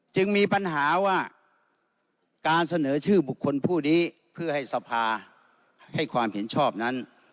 จึงมีปัญหาว่าการเสนอชื่อบุคคลผู้นี้เพื่อให้สภาให้ความเห็นชอบนั้น